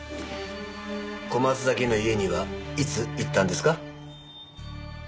小松崎の家にはいつ行ったんですか？